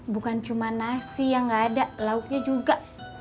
bukan cuma nasi yang nggak ada lauknya juga